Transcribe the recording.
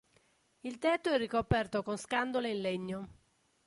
Il tetto è ricoperto con scandole in legno.